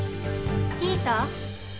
聞いた？